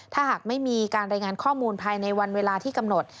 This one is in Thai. ถ้าหากไม่มีการรายงานข้อมูลภายในวันเวลาที่กำหนด